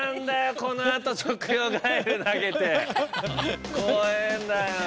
このあと食用ガエル投げて怖えんだよ